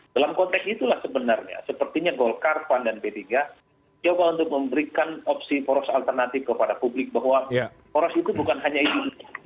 dalam konteks itulah sebenarnya sepertinya golkar pan dan p tiga coba untuk memberikan opsi poros alternatif kepada publik bahwa poros itu bukan hanya itu